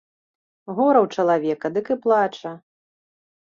Гора ў чалавека, дык і плача.